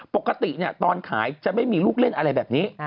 ปกติตอนขายจะไม่มีลูกเล่นอะไรแบบนี้